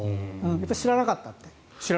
知らなかったって。